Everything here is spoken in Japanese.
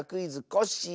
コッシー」